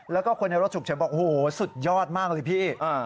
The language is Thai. แล้วก็คนในรถฉุกเฉินบอกโอ้โหสุดยอดมากเลยพี่